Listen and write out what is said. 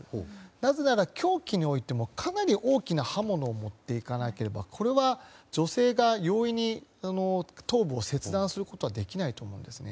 なぜなら、凶器においてもかなり大きな刃物を持っていかなければこれは女性が容易に頭部を切断することはできないと思うんですね。